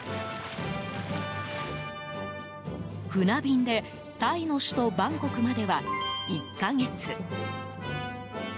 船便でタイの首都バンコクまでは１か月。